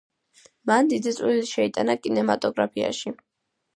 მან დიდი წვლილი შეიტანა კინემატოგრაფიაში.